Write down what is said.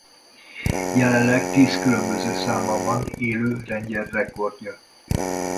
Jelenleg tíz különböző számban van élő lengyel rekordja.